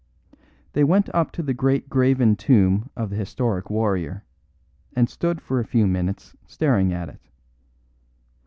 They went up to the great graven tomb of the historic warrior, and stood for a few minutes staring at it.